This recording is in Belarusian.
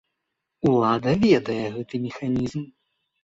Улада ведае гэты механізм.